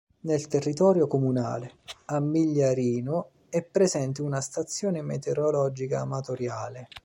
Nel territorio comunale, a Migliarino, è presente una stazione meteorologica amatoriale.